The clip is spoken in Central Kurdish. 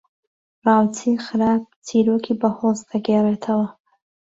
راوچیی خراپ چیرۆکی بەهۆز دەگێڕێتەوە